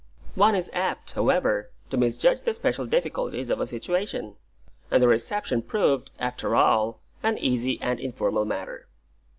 One is apt, however, to misjudge the special difficulties of a situation; and the reception proved, after all, an easy and informal matter.